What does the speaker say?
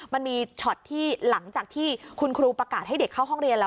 มันมีช็อตที่หลังจากที่คุณครูประกาศให้เด็กเข้าห้องเรียนแล้ว